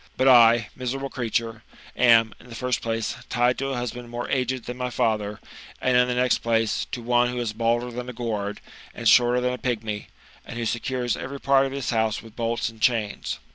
But I, miserable creature, am, in the first place, tied to a husband more aged than my father ; and in the next place, to on^ who is balder than a gourd, and shorter than 76 THE METAMORPHOSIS, OR a pigmy, and who secures every part of bis house with bolts and chains.''